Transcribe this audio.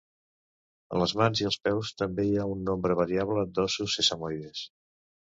A les mans i els peus també hi ha un nombre variable d'ossos sesamoides.